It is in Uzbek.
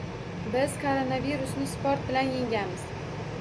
Biz koronavirusni sport bilan yengamiz!